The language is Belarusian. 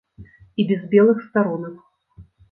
І без белых старонак.